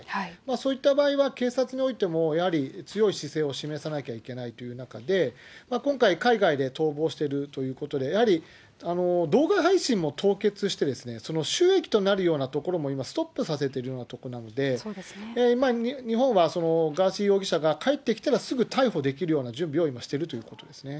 そういった場合は警察においても、やはり強い姿勢を示さなきゃいけないという中で、今回、海外で逃亡しているということで、やはり、動画配信も凍結して、収益となるようなところも今、ストップさせているようなところなんで、日本はそのガーシー容疑者が帰ってきたらすぐ逮捕できるような準備を今、してるということですね。